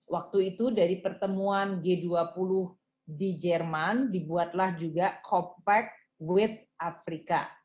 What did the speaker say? waktu itu dari pertemuan g dua puluh di jerman dibuatlah juga compact with afrika